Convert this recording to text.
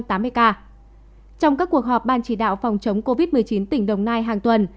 trong các cuộc họp ban chỉ đạo phòng chống covid một mươi chín tỉnh đồng nai hàng tuần